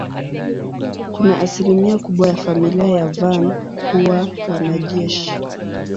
Kuna asilimia kubwa ya familia ya Van kuwa wanajeshi.